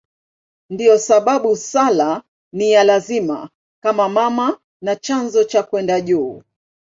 Ndiyo sababu sala ni ya lazima kama mama na chanzo cha kwenda juu.